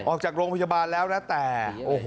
ออกจากโรงพยาบาลแล้วแล้วแต่